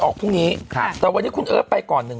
ออกพรุ่งนี้แต่วันนี้คุณเอิร์ทไปก่อน